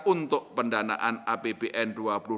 untuk pendanaan apbn dua ribu dua puluh